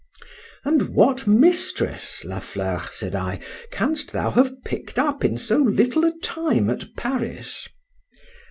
—And what mistress, La Fleur, said I, canst thou have picked up in so little a time at Paris?